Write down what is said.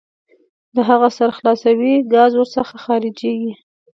د هغه سر خلاصوئ ګاز ور څخه خارجیږي.